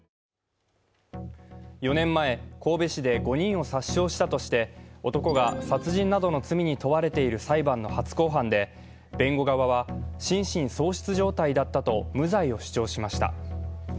４年前、神戸市で５人を殺傷したとして、男が殺人などの罪に問われている裁判の初公判で弁護側は、心神喪失状態だったと無罪を主張しました。